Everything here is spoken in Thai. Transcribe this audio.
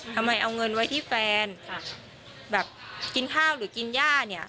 ทำไมเอาเงินไว้ที่แฟนแบบกินข้าวหรือกินย่าเนี่ย